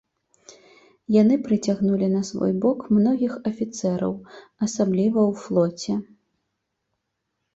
Яны прыцягнулі на свой бок многіх афіцэраў, асабліва ў флоце.